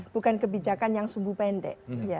bukan kebijakan yang sungguh pendek